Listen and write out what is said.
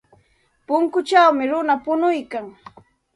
Punkuchawmi runa punuykan.